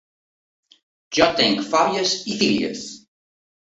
Jo tinc fòbies i fílies.